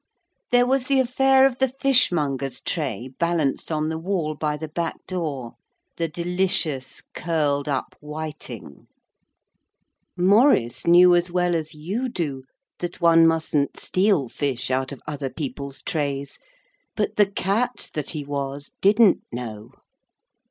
There was the affair of the fishmonger's tray balanced on the wall by the back door the delicious curled up whiting; Maurice knew as well as you do that one mustn't steal fish out of other people's trays, but the cat that he was didn't know.